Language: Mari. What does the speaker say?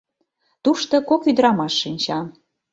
Тушто кок ӱдырамаш шинча.